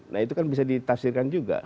nah itu kan bisa ditafsirkan juga